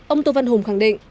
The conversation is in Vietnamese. ông tô văn hùng khẳng định